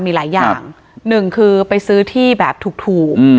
มีหลายอย่างครับหนึ่งคือไปซื้อที่แบบถูกถูกอืม